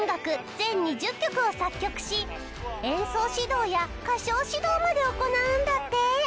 全２０曲を作曲し演奏指導や歌唱指導まで行うんだって！